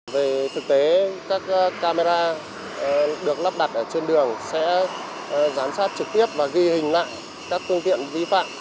về thực tế các camera được lắp đặt trên đường sẽ giám sát trực tiếp và ghi hình lại các phương tiện vi phạm